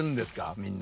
みんな。